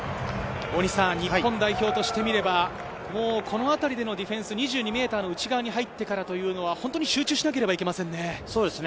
日本代表としてみれば、このあたりのディフェンス、２２ｍの内側に入ってからというのは集中しなければいけませんね。